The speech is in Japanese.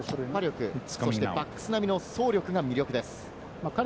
突破力、そしてバックス並みの走力が魅力です。